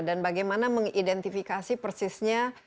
dan bagaimana mengidentifikasi persisnya